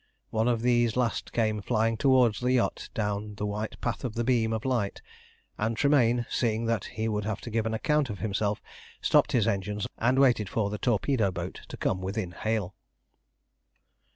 One of these last came flying towards the yacht down the white path of the beam of light, and Tremayne, seeing that he would have to give an account of himself, stopped his engines and waited for the torpedo boat to come within hail.